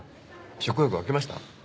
食欲湧きました？